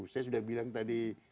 saya sudah bilang tadi